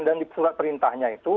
dan diperintahnya itu